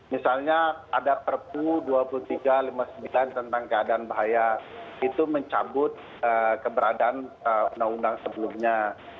misalnya ada perpu dua puluh tiga lima puluh sembilan tentang keadaan bahaya itu mencabut keberadaan undang undang sebelumnya